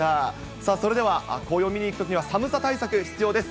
さあ、それでは紅葉を見に行くときには寒さ対策、必要です。